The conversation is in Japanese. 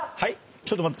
ちょっと待って。